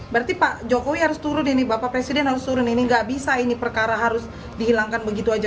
berarti pak jokowi harus turun ini bapak presiden harus turun ini nggak bisa ini perkara harus dihilangkan begitu saja